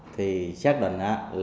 thì xác định